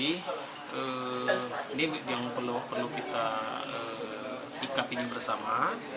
ini yang perlu kita sikap ini bersama